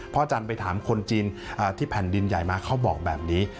อาจารย์ไปถามคนจีนที่แผ่นดินใหญ่มาเขาบอกแบบนี้